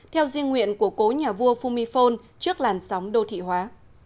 theo riêng nguyện của cố nhà vua phu my phon trước làn sóng đô thị hóa